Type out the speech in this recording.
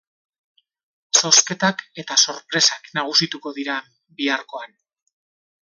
Zozketak eta sorpresak nagusituko dira biharkoan.